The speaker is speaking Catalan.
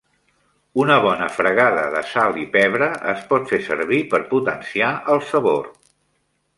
Una bona fregada de sal i pebre es pot fer servir per potenciar el sabor.